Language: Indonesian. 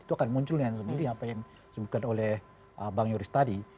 itu akan muncul dengan sendiri apa yang disebutkan oleh bang yoris tadi